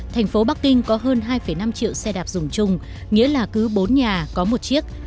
thành phố bắc kinh có hơn hai năm triệu xe đạp dùng chung nghĩa là cứ bốn nhà có một chiếc